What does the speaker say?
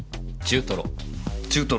中トロ。